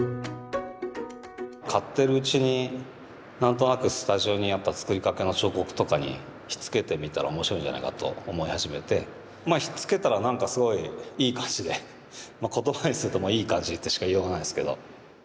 買ってるうちに何となくスタジオにあった作りかけの彫刻とかにひっつけてみたら面白いんじゃないかと思い始めてひっつけたら何かすごいいい感じで言葉にするともういい感じってしか言いようがないんですけど。